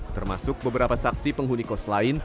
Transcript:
termasuk beberapa saksi penghuni kos lain